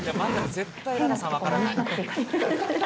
絶対楽々さん、分からない。